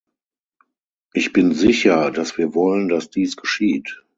Ich bin sicher, dass wir wollen, dass dies geschieht.